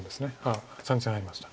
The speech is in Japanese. ３線ハイました。